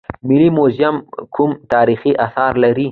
ملي موزیم کوم تاریخي اثار لري؟